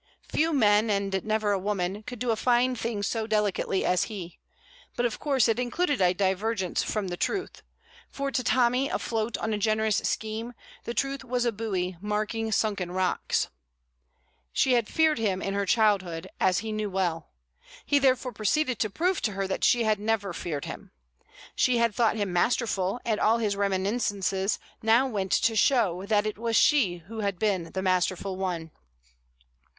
Few men, and never a woman, could do a fine thing so delicately as he; but of course it included a divergence from the truth, for to Tommy afloat on a generous scheme the truth was a buoy marking sunken rocks. She had feared him in her childhood, as he knew well; he therefore proceeded to prove to her that she had never feared him. She had thought him masterful, and all his reminiscences now went to show that it was she who had been the masterful one.